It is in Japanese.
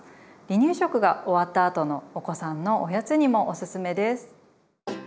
離乳食が終わったあとのお子さんのおやつにもおすすめです。